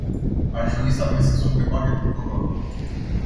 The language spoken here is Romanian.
Aș dori să adresez o întrebare tuturor.